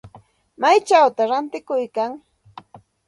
¿Maychawta ratikuykan?